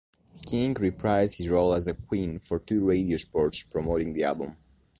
King reprised his role as the Queen for two radio spots promoting the album.